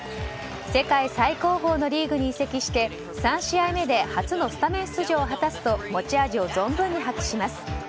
世界最高峰のリーグに移籍して３試合目で初のスタメン出場を果たすと持ち味を存分に発揮します。